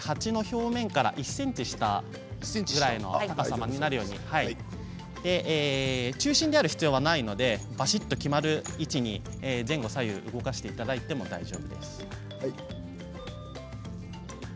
鉢の表面から１ｃｍ下くらいの浅さになるように中心である必要はないのでばしっと決まる位置に、前後左右動かしていただいても大丈夫です。